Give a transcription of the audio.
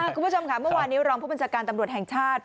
คุณผู้ชมค่ะเมื่อวานนี้รองผู้บัญชาการตำรวจแห่งชาติ